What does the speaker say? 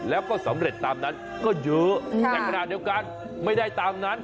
แล้วก็สำเร็จตามนั้นก็เยอะแต่ขณะเดียวกันไม่ได้ตามนั้น